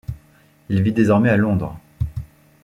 Il vit désormais à Londres.